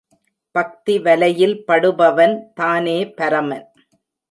பக்தி வலையில் படுபவன் தானே பரமன்.